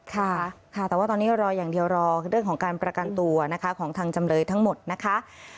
ค่ะค่ะแต่ว่าตอนนี้รออย่างเดียวรอเรื่องของการประกันตัวนะคะของทางจำเลยทั้งหมดนะคะ